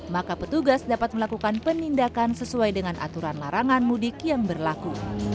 maka petugas dapat melakukan penindakan sesuai dengan aturan larangan mudik yang berlaku